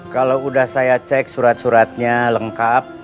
kalau sudah saya cek surat suratnya lengkap